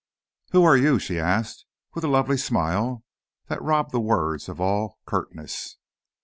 "Who are you?" she asked, with a lovely smile that robbed the words of all curtness.